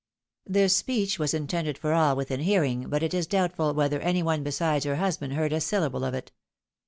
This speech was intended for all within hearing, but it is doubtful whether any one besides her husband heard a syllable of it.